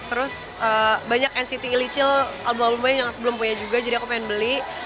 terus banyak nct illicil album album yang aku belum punya juga jadi aku pengen beli